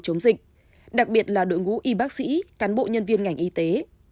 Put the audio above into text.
chống dịch đặc biệt là đội ngũ y bác sĩ cán bộ nhân viên ngành y tế